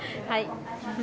はい。